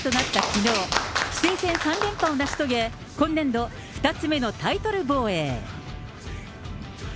棋聖戦３連覇を成し遂げ、今年度２つ目のタイトル防衛。